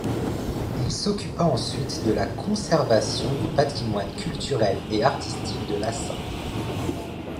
Il s'occupa ensuite de la conservation du patrimoine culturel et artistique de Lhassa.